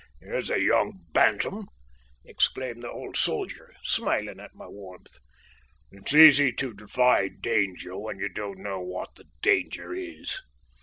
"Here's a young bantam!" exclaimed the old soldier, smiling at my warmth. "It's easy to defy danger when you don't know what the danger is."